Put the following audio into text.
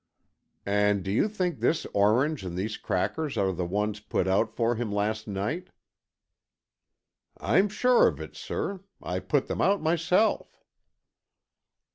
"And do you think this orange and these crackers are the ones put out for him last night?" "I'm sure of it, sir. I put them out myself."